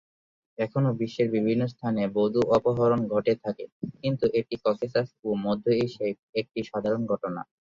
এখনও বিশ্বের বিভিন্ন স্থানে বধূ অপহরণ ঘটে থাকে, কিন্তু এটি ককেসাস ও মধ্য এশিয়ায় একটি সাধারণ ঘটনা।